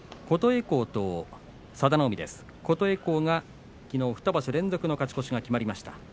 琴恵光がきのう２場所連続の勝ち越しが決まりました。